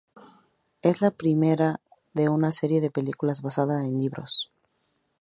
Es la primera de una serie de películas basadas en los libros.